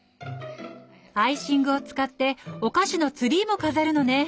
アイシングを使ってお菓子のツリーも飾るのね。